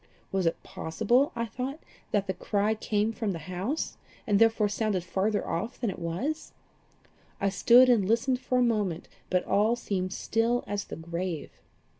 Was it possible, I thought, that the cry came from the house, and had therefore sounded farther off than it was? I stood and listened for a moment, but all seemed still as the grave.